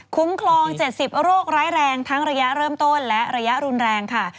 คุ้มครอง๗๐โรคร้ายแรงทั้งระยะเริ่มต้นและระยะรุนแรงค่ะ